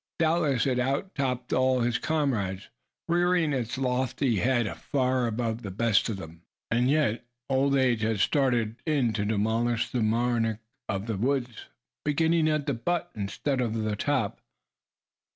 Doubtless it out topped all its comrades, rearing its lofty head far above the best of them. And yet old age had started in to demolish the monarch of the woods, beginning at the butt instead of the top.